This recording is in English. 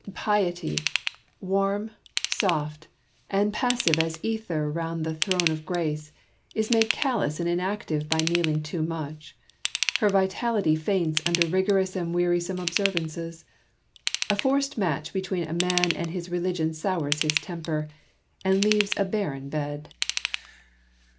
Piety — warm, soft, and passive as the ether round the throne of Grace — is made callous and inactive by kneeling too much : lier vitality faints under rigorous and wearisome observances. A forced match between a man and his religion sours his temper, and leaves a barren bed.